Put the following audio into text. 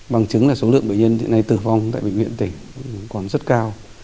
bằng chứng là số lượng bệnh nhân hiện nay tử vong tại bệnh viện tỉnh còn rất cao